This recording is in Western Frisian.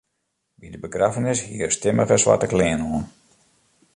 By de begraffenis hie er stimmige swarte klean oan.